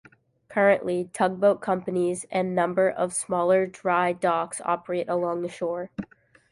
Currently, tugboat companies and number of smaller dry docks operate along the shore.